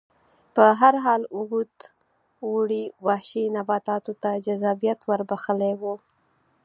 په هر حال اوږد اوړي وحشي نباتاتو ته جذابیت ور بخښلی و